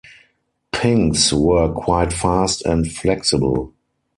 Pinks were quite fast and flexible.